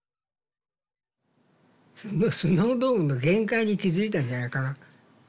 スノードームの限界に気付いたんじゃないかな。